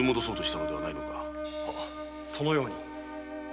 そのように。